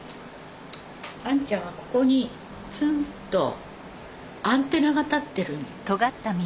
あんちゃんはここにツンとアンテナが立ってるの。